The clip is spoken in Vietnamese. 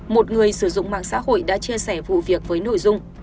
một người sử dụng mạng xã hội đã chia sẻ vụ việc với nội dung